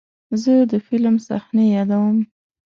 زه د فلم صحنې یادوم.